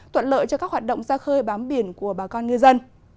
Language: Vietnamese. thuận lợi cho các hoạt động ra khơi bám biển của bà con ngư dân